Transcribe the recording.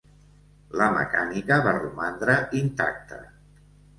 La mecànica va romandre intacta.